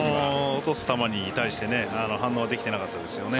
落とす球に対して反応ができていなかったですよね。